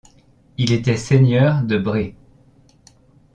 Il était seigneur de Brée.